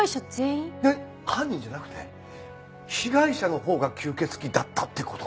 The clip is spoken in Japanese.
犯人じゃなくて被害者のほうが吸血鬼だったって事か？